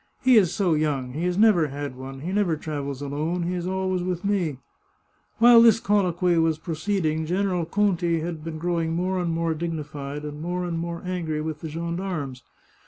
" He is so young ! He has never had one ; he never travels alone ; he is always with me !" While this colloquy was proceeding, General Conti had been growing more and more dignified, and more and more angry with the gendarmes.